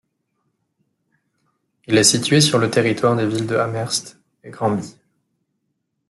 Il est situé sur le territoire des villes de Amherst et Granby.